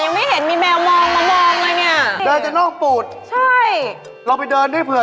ยังไม่เห็นมีแมวมองมามองอะไรนี่